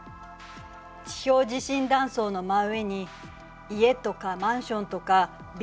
地表地震断層の真上に家とかマンションとかビルとかがあると。